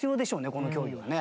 この競技はね。